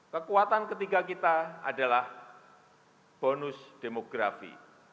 kekuatan ketiga kita adalah bonus demografi